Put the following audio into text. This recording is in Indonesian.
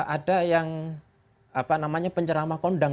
ada yang pencerama kondang